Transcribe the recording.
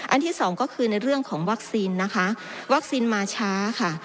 ที่สองก็คือในเรื่องของวัคซีนนะคะวัคซีนมาช้าค่ะ